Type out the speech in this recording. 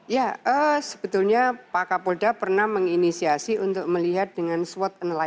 ya sebetulnya pak kapolda pernah menginisiasi untuk melihat dengan swot analy